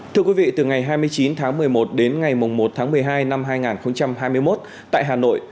thưa quý vị từ ngày hai mươi chín tháng một mươi một đến ngày một tháng một mươi hai năm hai nghìn hai mươi một tại hà nội